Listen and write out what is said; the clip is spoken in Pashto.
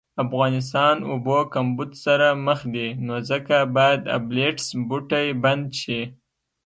افغانستان اوبو کمبود سره مخ دي نو ځکه باید ابلیټس بوټی بند شي